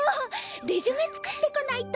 レジュメ作ってこないと。